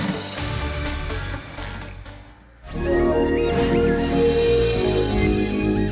atau ada yang perlu direvisi